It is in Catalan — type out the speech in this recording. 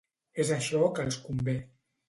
És això que els convé.